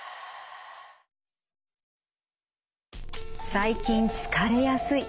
最近疲れやすい。